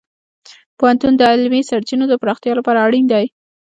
پوهنتون د علمي سرچینو د پراختیا لپاره اړین دی.